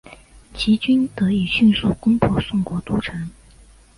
齐军得以迅速攻破宋国都城。